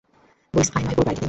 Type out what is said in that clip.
Bull's-eye নয়, পুরো টার্গেটই।